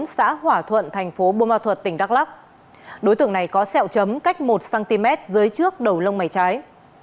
xã hỏa thuận thành phố bô ma thuật tỉnh đắk lắc đối tượng này có sẹo chấm cách một cm dưới trước đầu lông mày trái